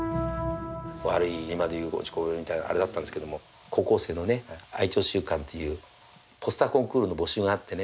悪い今で言う落ちこぼれみたいなあれだったんですけども高校生のね愛鳥週間っていうポスターコンクールの募集があってね。